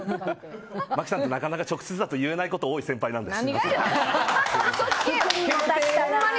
麻貴さんってなかなか直接だと言えないこと多い先輩なんで。